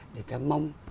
để ta mong